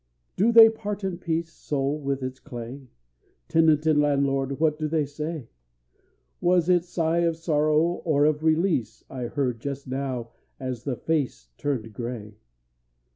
Do they part in peace, soul with its clay? Tenant and landlord, what do they say? Was it sigh of sorrow or of release I heard just now as the face turned gray?